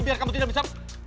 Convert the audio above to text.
biar kamu tidak bisa